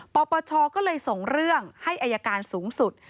ปปชก็เลยส่งเรื่องให้อายการสูงสุด